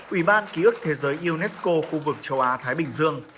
ủy ban ký ức thế giới unesco khu vực châu á thái bình dương